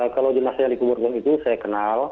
kalau jenazah yang dikuburkan itu saya kenal